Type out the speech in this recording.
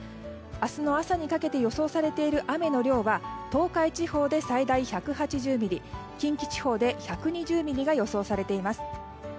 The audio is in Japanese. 明日の朝にかけて予想されている雨の量は東海地方で最大１８０ミリ近畿地方で１２０ミリが予想されています。